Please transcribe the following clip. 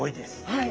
はい。